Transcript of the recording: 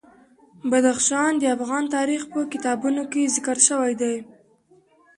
بدخشان د افغان تاریخ په کتابونو کې ذکر شوی دي.